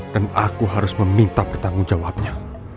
dan aku harus meminta bertanggung jawabnya